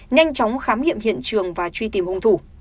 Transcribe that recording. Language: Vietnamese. nhanh chóng khám nghiệm hiện trường và truy tìm hung thủ